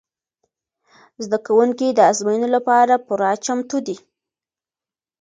زده کوونکي د ازموینو لپاره پوره چمتو دي.